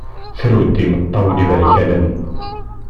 Tru-d imeṭṭawen iberkanen.